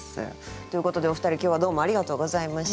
ということでお二人今日はどうもありがとうございました。